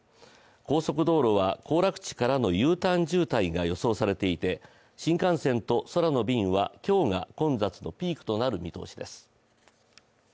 高速道路は行楽地からＵターン渋滞が予想されていて新幹線と空の便は今日が混雑のピークとなる見通しです。